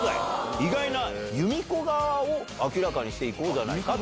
意外な由美子側を明らかにしていこうじゃないかと。